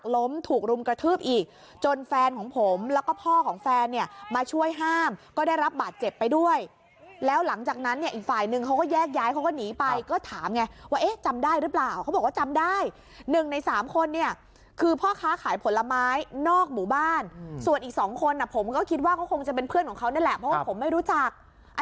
ถูกรุมกระทืบอีกจนแฟนของผมแล้วก็พ่อของแฟนเนี่ยมาช่วยห้ามก็ได้รับบาดเจ็บไปด้วยแล้วหลังจากนั้นเนี่ยอีกฝ่ายนึงเขาก็แยกย้ายเขาก็หนีไปก็ถามไงว่าเอ๊ะจำได้หรือเปล่าเขาบอกว่าจำได้หนึ่งในสามคนเนี่ยคือพ่อค้าขายผลไม้นอกหมู่บ้านส่วนอีกสองคนผมก็คิดว่าเขาคงจะเป็นเพื่อนของเขานั่นแหละเพราะว่าผมไม่รู้จัก